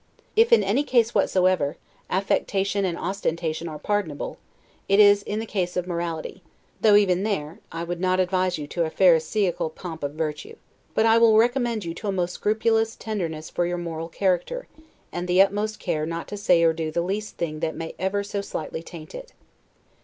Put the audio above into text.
If, in any case whatsoever, affectation and ostentation are pardonable, it is in the case of morality; though even there, I would not advise you to a pharisaical pomp of virtue. But I will recommend to you a most scrupulous tenderness for your moral character, and the utmost care not to say or do the least thing that may ever so slightly taint it.